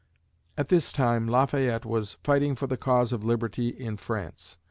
At this time, Lafayette was fighting for the cause of liberty in France.